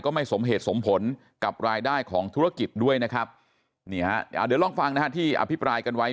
ไม่สมเหตุสมผลกับรายได้ของธุรกิจด้วยนะครับนี่ฮะเดี๋ยวลองฟังนะฮะที่อภิปรายกันไว้